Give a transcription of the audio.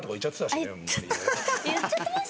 言っちゃってました？